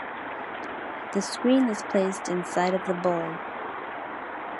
The screen is placed inside of the bowl.